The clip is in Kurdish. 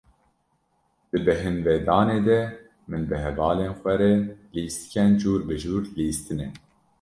Di bêhinvedanê de, min bi hevalên xwe re lîstokên cur bi cur lîstine.